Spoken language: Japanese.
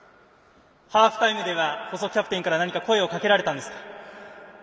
ハーフタイムでは細木キャプテンから何か声をかけられたんですか？